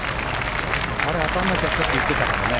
あれ、当たんなきゃちょっと行ってたかもね。